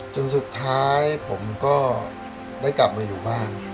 จนสุดท้ายผมก็ได้กลับมาอยู่บ้าน